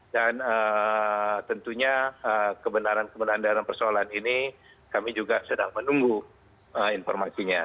dan tentunya kebenaran kebenaran dalam persoalan ini kami juga sedang menunggu informasinya